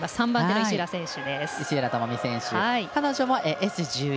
彼女はＳ１１